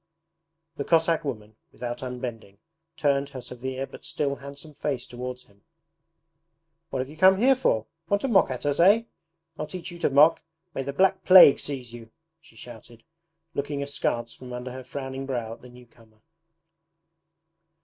The Cossack woman, without unbending, turned her severe but still handsome face towards him. 'What have you come here for? Want to mock at us, eh? I'll teach you to mock; may the black plague seize you!' she shouted, looking askance from under her frowning brow at the new comer.